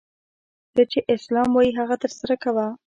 څه چي اسلام وايي هغه ترسره کوه!